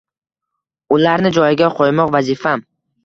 Ularni joyiga qo’ymoq- vazifam.